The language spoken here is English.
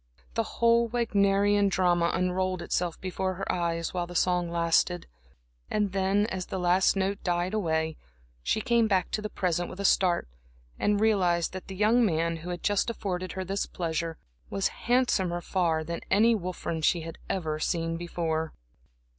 The whole Wagnerian drama unrolled itself before her eyes while the song lasted. And then, as the last note died away, she came back to the present with a start, and realized that the young man who had just afforded her this pleasure was handsomer far than any Wolfram she had ever seen before.